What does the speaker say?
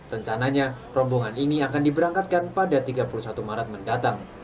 rencananya rombongan ini akan diberangkatkan pada tiga puluh satu maret mendatang